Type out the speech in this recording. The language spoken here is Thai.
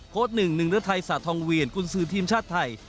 โค้ด๑หนึ่งเรือไทยสาธองเวียนกุญสือทีมชาติไทย